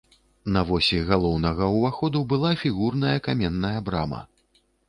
На восі галоўнага ўваходу была фігурная каменная брама.